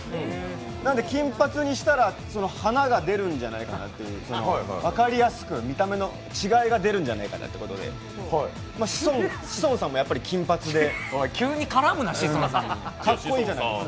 なんで、金髪にしたら華が出るんじゃないかなという、分かりやすく、見た目の違いが出るんじゃないかなということで志尊さんもやっぱり金髪でかっこいいじゃないですか。